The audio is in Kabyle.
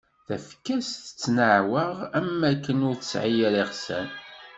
Tafekka-s tettnaɛwaɣ am wakken ur tesɛi ara iɣsan.